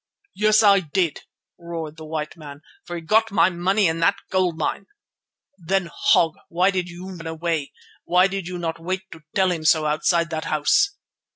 "Yes, I did," roared the white man; "for he got my money in the gold mine." "Then, hog, why did you run away. Why did you not wait to tell him so outside that house?"